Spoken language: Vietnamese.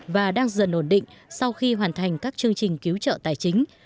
và đang dần ổn định sau khi hoàn thành các chương trình cứu trợ tài chính